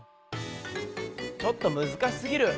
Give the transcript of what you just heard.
ちょっとむずかしすぎる。